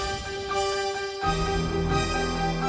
kau tetap bisa saling membuat lagu saya